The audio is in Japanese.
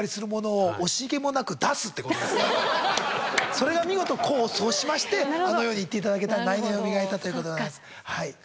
それが見事功を奏しましてあのように言っていただけた内面を磨いたということでございます。